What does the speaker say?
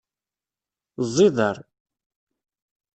Ẓẓiḍer.